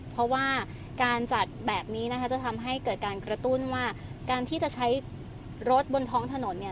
เพราะว่าการจัดแบบนี้นะคะจะทำให้เกิดการกระตุ้นว่าการที่จะใช้รถบนท้องถนนเนี่ย